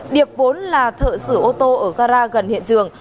điệp vốn là thợ sử ô tô ở gara gần hiện dường